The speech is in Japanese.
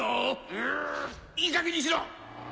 うっいいかげんにしろ！